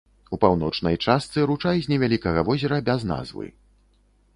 У паўночнай частцы ручай з невялікага возера без назвы.